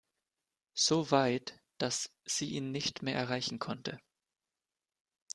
So weit, dass sie ihn nicht mehr erreichen konnte.